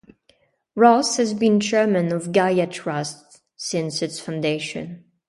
Ross has been Chairman of Gaia Trust since its foundation.